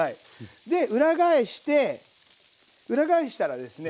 で裏返して裏返したらですね